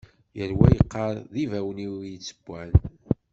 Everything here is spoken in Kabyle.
Yal wa yeqqar d ibawen-iw i yettewwan.